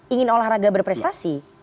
ingin olahraga berprestasi